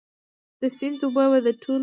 د سیند اوبه د ټولو دي؟